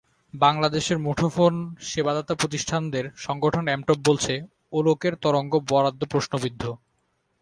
বাংলাদেশের মুঠোফোন সেবাদাতা প্রতিষ্ঠানদের সংগঠন এমটব বলছে, ওলোকের তরঙ্গ বরাদ্দ প্রশ্নবিদ্ধ।